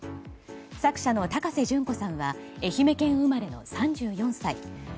作者の高瀬隼子さんは愛媛県生まれの３４歳。